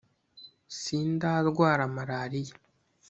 Sindarwara maraliya